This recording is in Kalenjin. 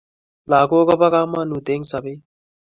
lagok kobo kamagut eng' sabet